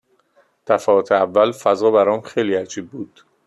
دفعات اول فضا برام خیلی عجیب بود.